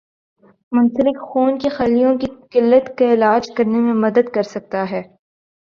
منسلک خون کے خلیوں کی قلت کا علاج کرنے میں مدد کر سکتا ہے